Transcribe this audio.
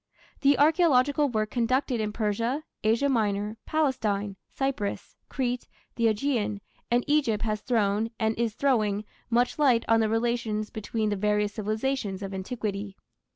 The archaeological work conducted in Persia, Asia Minor, Palestine, Cyprus, Crete, the Aegean, and Egypt has thrown, and is throwing, much light on the relations between the various civilizations of antiquity.